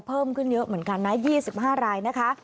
เพิ่มขึ้นเยอะเหมือนกันนะ๒๕รายนะคะ